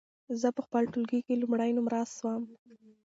زه په خپل ټولګي کې لومړی نمره سوم.